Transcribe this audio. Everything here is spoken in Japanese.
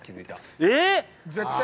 えっ！